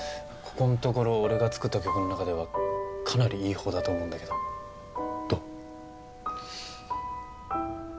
ここんところ俺が作った曲の中ではかなりいいほうだと思うんだけどどう？